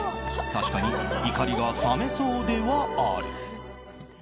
確かに怒りが冷めそうではある。